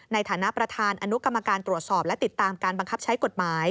ในฐานะประธานอนุกรรมการตรวจสอบและติดตามการบังคับใช้กฎหมาย